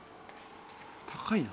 「高いな」